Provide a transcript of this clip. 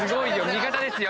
味方ですよ